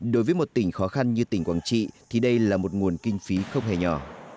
đối với một tỉnh khó khăn như tỉnh quảng trị thì đây là một nguồn kinh phí không hề nhỏ